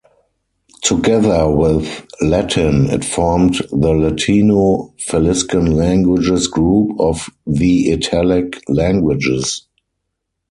Together with Latin, it formed the Latino-Faliscan languages group of the Italic languages.